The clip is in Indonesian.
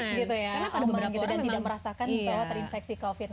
aman gitu dan tidak merasakan itu terinfeksi covid sembilan belas